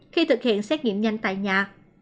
khi thực hiện xét nghiệm nhanh tại nhà